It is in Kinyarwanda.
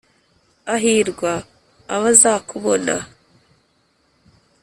ahirwa abazakubona,